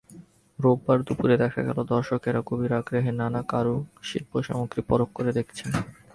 রোববার দুপুরে দেখা গেল দর্শকেরা গভীর আগ্রহে নানা কারুশিল্পসামগ্রী পরখ করে দেখছেন।